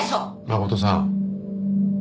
真琴さん